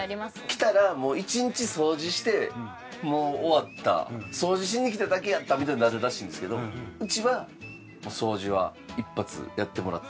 来たらもう１日掃除して終わった掃除しに来ただけやったみたいになるらしいんですけどうちは掃除は一発やってもらってるので。